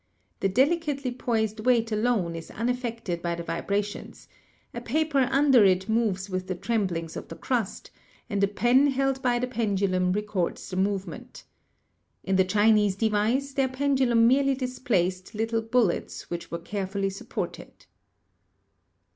The delicately poised weight alone is unaffected by the vibra tions; a paper under it moves with the tremblings of the crust, and a pen held by the pendulum records the move ment. In the Chinese device their pendulum merely dis placed little bullets which were carefully supported.